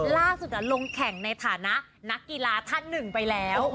ล่าสุดลงแข่งในฐานะนักกีฬาท่านหนึ่งไปแล้ว